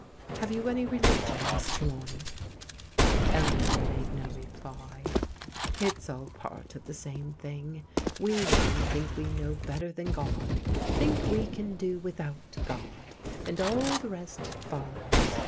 Have you any religion, Miss Trelawney? " Eleanor made no reply. " It's all part of the same thing. We women think we know better than Grod; think we can do without God, and all the rest follows.